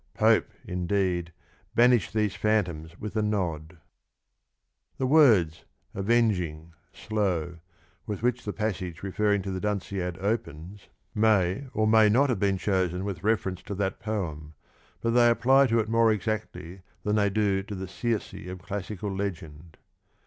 Pope, indeed, " banished these phantoms with a nod." The words " Avenging, slow," with which the pas sage referring to The Dunciad opens, may or may not 59 have been chosen with reference to that poem, but they apply to it more exactly than they do to the Circe of classical legend.